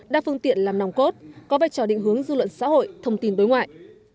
đa phương tiện làm nòng cốt có vai trò định hướng dư luận xã hội thông tin đối ngoại